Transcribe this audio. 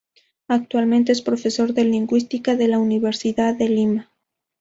Actualmente es profesor de lingüística de la Universidad de Lima.